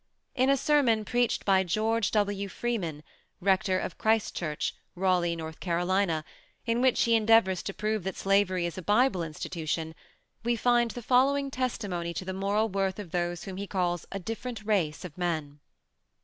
In a sermon preached by George W. Freeman, Rector of Christ Church, Raleigh, North Carolina, in which he endeavors to prove that slavery is a Bible institution we find the following testimony to the moral worth of those whom he calls a different race of men."